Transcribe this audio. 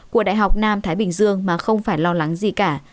của đại học nam thái bình dương mà không phải lo lắng gì cả